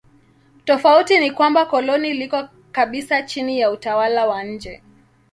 Tofauti ni kwamba koloni liko kabisa chini ya utawala wa nje.